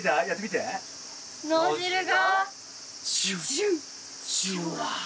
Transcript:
ジュンジュワ！